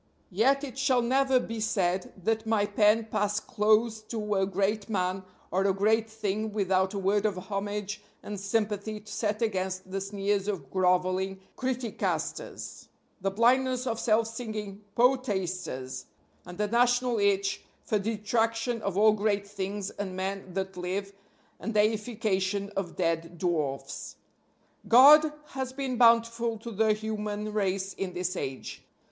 Yet it shall never be said that my pen passed close to a great man or a great thing without a word of homage and sympathy to set against the sneers of groveling criticasters, the blindness of self singing poetasters, and the national itch for detraction of all great things and men that live, and deification of dead dwarfs. God has been bountiful to the human race in this age.